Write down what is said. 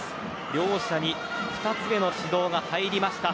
両者に２つ目の指導が入りました。